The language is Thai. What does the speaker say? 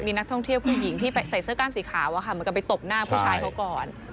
มีนักท่องเที่ยวผู้หญิงที่ใส่เสื้อกล้ามสีขาวเหมือนกับไปตบหน้าผู้ชายเขาก่อน